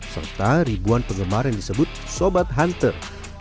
serta ribuan penggemar yang disebut sobat hunter